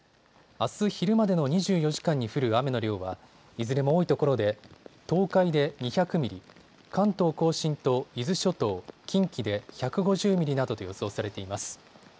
あす昼までの２４時間に降る雨の量はいずれも多いところで東海で２００ミリ、関東甲信と伊豆諸島、近畿で１５０ミリなどと予想されています。